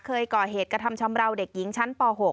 เคยก่อเหตุกระทำชำราวเด็กหญิงชั้นป๖